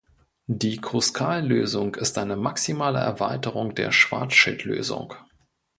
Die Kruskal-Lösung ist eine maximale Erweiterung der Schwarzschild-Lösung.